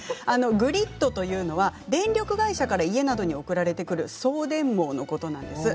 グリッドというのは電力会社から家などに送られてくる送電網のことです。